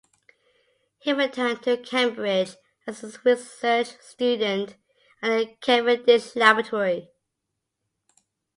He returned to Cambridge as a research student at the Cavendish Laboratory.